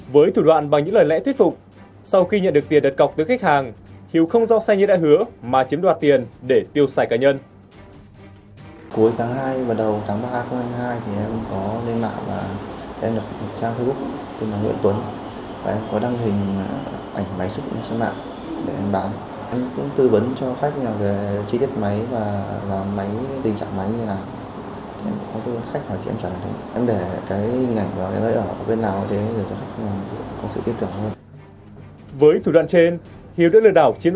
với thủ đoạn bằng những lời lẽ thuyết phục sau khi nhận được tiền đặt cọc từ khách hàng hiếu không do sai như đã hứa mà chiếm đoạt tiền để tiêu xài cá nhân